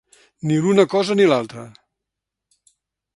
Ni l’una cosa ni l’altra.